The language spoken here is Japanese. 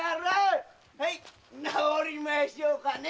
ハイ直りましょうかね！